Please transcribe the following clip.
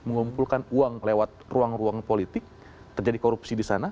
mengumpulkan uang lewat ruang ruang politik terjadi korupsi disana